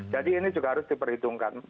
jadi ini juga harus diperhitungkan